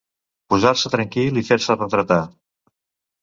Posar-se tranquil i fer-se retratar.